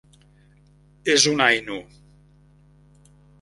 És un Ainu.